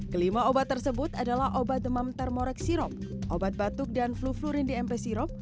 kelima obat tersebut adalah obat demam thermorex sirup obat batuk dan flu fluorine di mp sirup